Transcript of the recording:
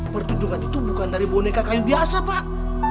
pertunjukan itu bukan dari boneka kayu biasa pak